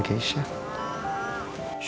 ibu gak percaya nih